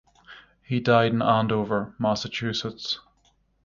He died in Andover, Massachusetts.